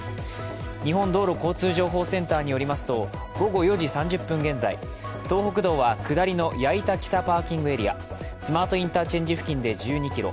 日本道路交通情報センターによりますと、午後４時３０分現在、東北道は下りの矢板北パーキングエリア、スマートインターチェンジ付近で１２ｋｍ。